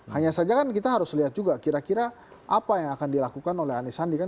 hanya saja kan kita harus lihat juga kira kira apa yang akan dilakukan oleh anies sandi kan